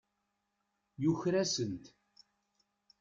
Yuker-asent.